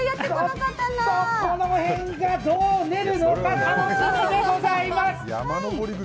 この辺がどう出るのか楽しみでございます！